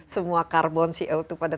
semua karbon co itu pada